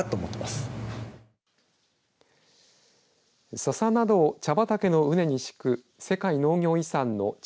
ササなどを茶畑のうねに敷く世界農業遺産の茶